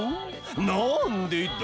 なんでだ？